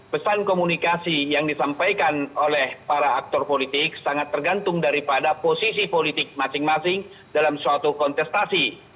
pesan komunikasi yang disampaikan oleh para aktor politik sangat tergantung daripada posisi politik masing masing dalam suatu kontestasi